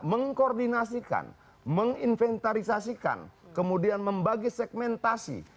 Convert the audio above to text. mengkoordinasikan menginventarisasikan kemudian membagi segmentasi